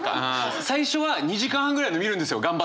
最初は２時間半ぐらいの見るんですよ頑張って。